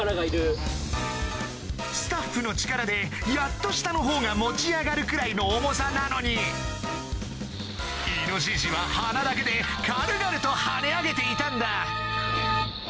スタッフの力でやっと下のほうが持ち上がるくらいの重さなのにイノシシは鼻だけで軽々とはね上げていたんだ